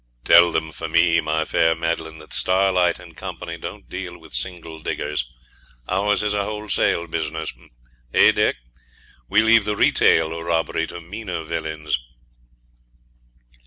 'Tell them for me, my fair Madeline, that Starlight and Company don't deal with single diggers; ours is a wholesale business eh, Dick? We leave the retail robbery to meaner villains.'